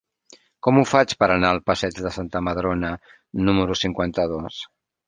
Com ho faig per anar al passeig de Santa Madrona número cinquanta-dos?